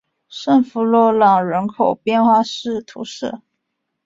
圣夫洛朗人口变化图示